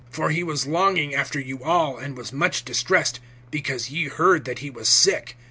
(26)For he was longing after you all, and was much distressed, because ye heard that he was sick.